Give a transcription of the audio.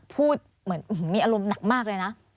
พูดมีอารมณ์หนักมากเลยนะ